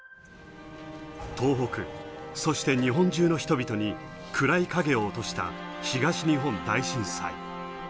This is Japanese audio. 東北、そして日本中の人々に暗い影を落とした東日本大震災。